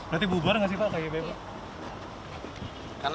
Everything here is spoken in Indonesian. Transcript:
berarti bubar nggak sih pak pdip